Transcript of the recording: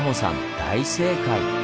大正解！